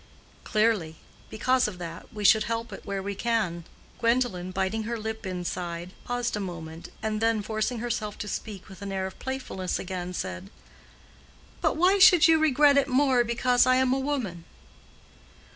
"Clearly. Because of that, we should help it where we can." Gwendolen, biting her lip inside, paused a moment, and then forcing herself to speak with an air of playfulness again, said, "But why should you regret it more because I am a woman?"